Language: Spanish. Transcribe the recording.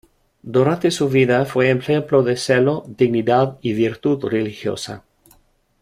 Durante su vida fue ejemplo de celo, dignidad y virtud religiosa.